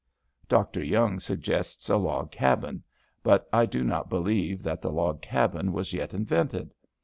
Dr. Young suggests a log cabin, but I do not believe that the log cabin was yet invented.